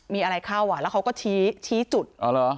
มีอะไรเข้าอ่ะแล้วเขาก็ชี้ชี้จุดอ๋อเหรอ